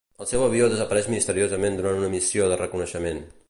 El seu avió desapareix misteriosament durant una missió de reconeixement.